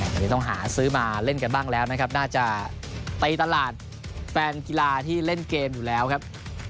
อันนี้ต้องหาซื้อมาเล่นกันบ้างแล้วนะครับน่าจะตีตลาดแฟนกีฬาที่เล่นเกมอยู่แล้วครับ